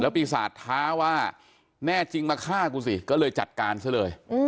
ปีศาจท้าว่าแน่จริงมาฆ่ากูสิก็เลยจัดการซะเลย